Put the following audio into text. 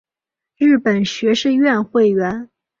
日本学士院会员。